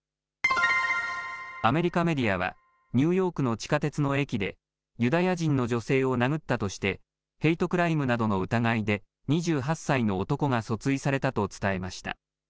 アメリカメディアは、ニューヨークの地下鉄の駅で、ユダヤ人の女性を殴ったとして、ヘイトクライムなどの疑いで、２８歳の男が訴追されたと伝えました。